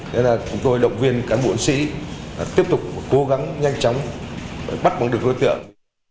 nên là chúng tôi động viên cán bộ sĩ tiếp tục cố gắng nhanh chóng bắt bắn được đối tượng